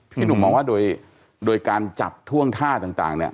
พี่หนุ่มมองว่าโดยการจับท่วงท่าต่างเนี่ย